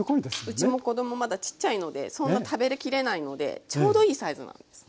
うちも子供まだちっちゃいのでそんな食べきれないのでちょうどいいサイズなんです。